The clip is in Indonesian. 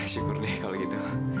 syukur deh kalau gitu